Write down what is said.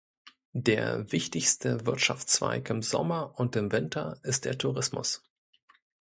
Der wichtigste Wirtschaftszweig im Sommer und im Winter ist der Tourismus.